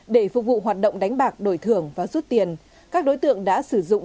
để phục vụ hoạt động đánh bạc đổi thưởng và rút tiền các đối tượng đã sử dụng